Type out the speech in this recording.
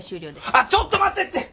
あっちょっと待ってって。